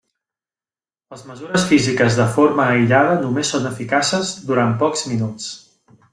Les mesures físiques de forma aïllada només són eficaces durant pocs minuts.